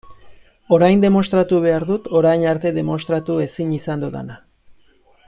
Orain demostratu behar dut orain arte demostratu ezin izan dudana.